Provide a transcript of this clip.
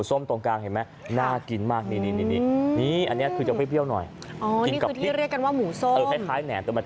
ส้มโตมกลางเห็นมั้ยน่ากินมากนี้นี่นี่นี่นี่นี่อันนี้คือจะด้วยพิเศษหน่อยอ๋อนี่คือที่เรียกกันว่าหมูส้มเออคล้ายแหน่มตัวมัน